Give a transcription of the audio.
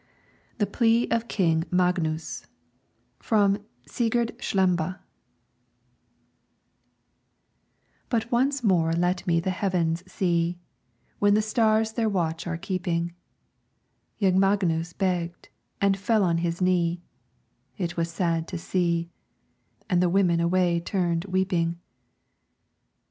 THE PLEA OF KING MAGNUS From 'Sigurd Slembe' "But once more let me the heavens see, When the stars their watch are keeping," Young Magnus begged, and fell on his knee; It was sad to see, And the women away turned weeping.